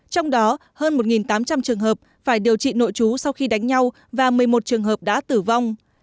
trong đó hơn một tám trăm linh trường hợp phải điều trị nội trú sau khi đánh nhau và một mươi một trường hợp đã tử vong